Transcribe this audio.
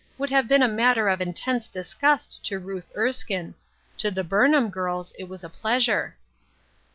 would have been a matter of intense disgust to Ruth Erskine ; to the Burnham girls it was a pleasure.